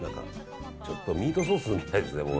ちょっとミートソースみたいですね。